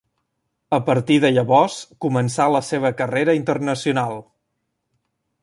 A partir de llavors començà la seva carrera internacional.